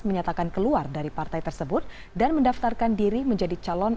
menyatakan keluar dari partai tersebut dan mendaftarkan diri menjadi calon